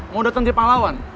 mau datang di pahlawan